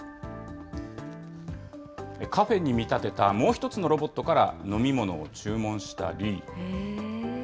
カフェに見立てたもう１つのロボットから飲み物を注文したり。